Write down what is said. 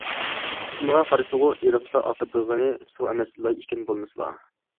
- ئىسمىغا قارىسىغۇ، ئېرىقتا ئاقىدىغىنى سۇ ئەمەس، لاي ئىكەن بولمىسىلا؟.